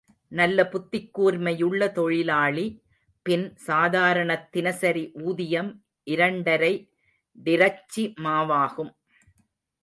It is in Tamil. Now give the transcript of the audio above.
நல்ல புத்திக் கூர்மையுள்ள தொழிலாளி பின் சாதாரணத் தினசரி ஊதியம் இரண்டரை டிரச்சிமாவாகும்.